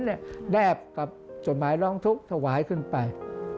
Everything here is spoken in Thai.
แนบกับจดหมายร้องทุกข์ถวายขึ้นไป